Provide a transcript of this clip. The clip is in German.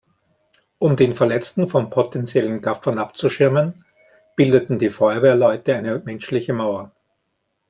Um den Verletzten von potenziellen Gaffern abzuschirmen, bildeten die Feuerwehrleute eine menschliche Mauer.